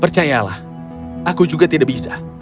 percayalah aku juga tidak bisa